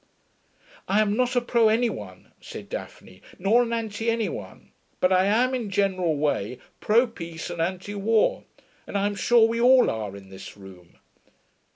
'I am not a pro anyone,' said Daphne, 'nor an anti anyone. But I am, in a general way, pro peace and anti war, as I am sure we all are in this room.'